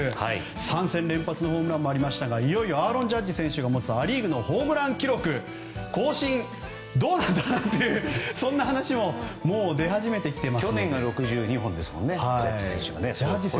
３戦連発のホームランもありましたがアーロン・ジャッジ選手が持つア・リーグのホームラン記録更新どうなるんだというそんな話も出始めています。